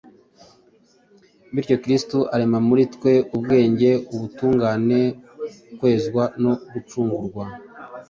Bityo Kristo arema muri twe ubwenge, ubutungane, kwezwa no gucungurwa.